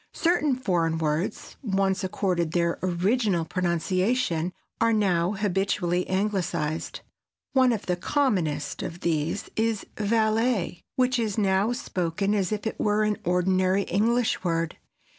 Certain foreign words once accorded their original pronunciation are now habitually Anglicized. One of the commonest of these is "valet," which is now spoken as if it were an ordinary English word.